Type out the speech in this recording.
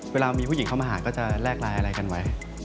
เวลามีผู้หญิงเข้ามาหาก็จะแลกไลน์อะไรกันไว้